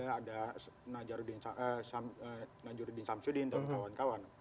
ada najurudin samsudin dan kawan kawan